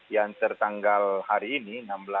yang tertanggal hari ini